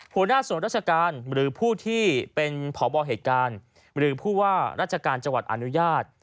หัวหน้าส่วนราชการหรือผู้ที่เป็นพบเหตุการณ์หรือผู้ว่าราชการจังหวัดอนุญาต